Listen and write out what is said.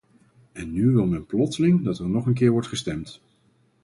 En nu wil men plotseling dat er nog een keer wordt gestemd!